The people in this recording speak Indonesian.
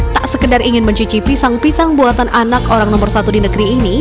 tak sekedar ingin mencicipi sang pisang buatan anak orang nomor satu di negeri ini